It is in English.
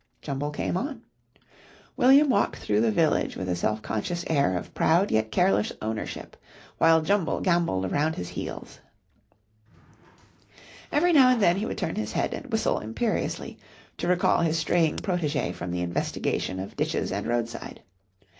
Jumble came on. William walked through the village with a self conscious air of proud yet careless ownership, while Jumble gambolled round his heels. Every now and then he would turn his head and whistle imperiously, to recall his straying protégé from the investigation of ditches and roadside.